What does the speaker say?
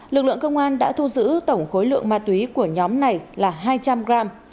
lực lượng công an đã thu giữ tổng khối lượng ma túy của nhóm này là hai trăm linh gram